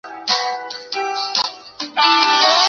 病童亦会出现发大性心脏肌肉病变。